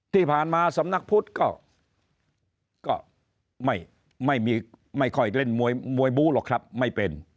ที่ผ่านมาสำนักพุทธก็ไม่ค่อยเล่นมวยบู้หรอกครับไม่เป็น